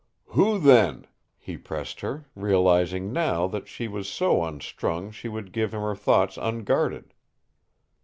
"Who, then?" he pressed her, realizing now that she was so unstrung she would give him her thoughts unguarded.